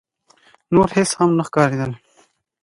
نور هيڅ هم نه ښکارېدل.